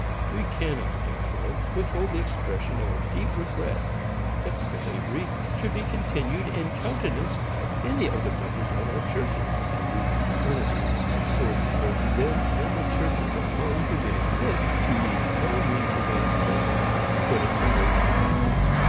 We cannot, therefore, withhold the expression of our deep regret that slavery should be continued and countenanced by any of the members of our churches; and we do earnestly exhort both them and the churches among whom it exists to use all means in their power to put it away from them.